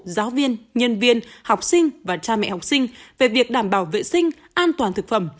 giáo viên nhân viên học sinh và cha mẹ học sinh về việc đảm bảo vệ sinh an toàn thực phẩm